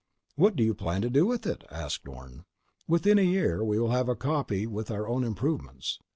"What do you plan to do with it?" asked Orne. "Within a year we will have a copy with our own improvements.